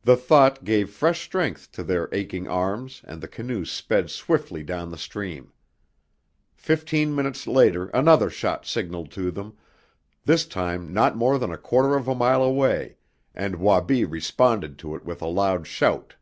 The thought gave fresh strength to their aching arms and the canoe sped swiftly down the stream. Fifteen minutes later another shot signaled to them, this time not more than a quarter of a mile away, and Wabi responded to it with a loud shout.